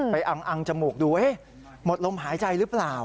อังจมูกดูหมดลมหายใจหรือเปล่า